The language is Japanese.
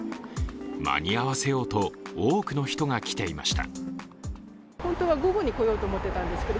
間に合わせようと、多くの人が来ていました。